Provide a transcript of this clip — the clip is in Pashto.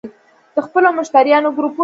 - د خپلو مشتریانو ګروپونه